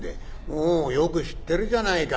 「およく知ってるじゃないか」。